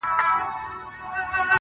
راباندي گرانه خو يې